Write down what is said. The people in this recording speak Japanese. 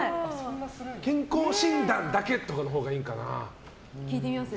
健康診断だけとかのほうがいいのかな。